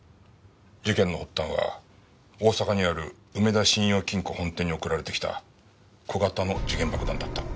事件の発端は大阪にある梅田信用金庫本店に送られてきた小型の時限爆弾だった。